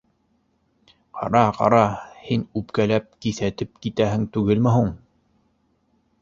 — Ҡара, ҡара, һин үпкәләп, киҫәтеп китәһең түгелме һуң?